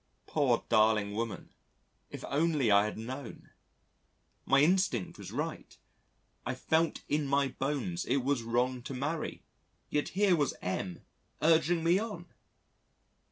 Poor darling woman if only I had known! My instinct was right I felt in my bones it was wrong to marry, yet here was M urging me on.